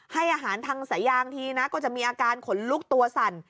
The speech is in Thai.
ให้อาหารทางสายางทีนะก็จะมีอาการขนลุกตัวสั่น